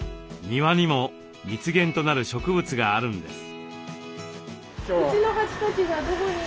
庭にも蜜源となる植物があるんです。